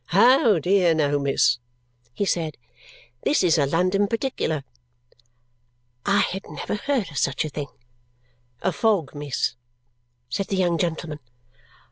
"Oh, dear no, miss," he said. "This is a London particular." I had never heard of such a thing. "A fog, miss," said the young gentleman.